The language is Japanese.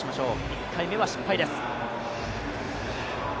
１回目は失敗です。